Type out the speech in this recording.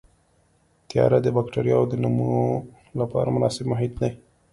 تیاره د بکټریاوو د نمو لپاره مناسب محیط دی.